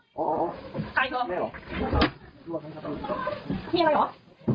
กลับไปครับได้ครับ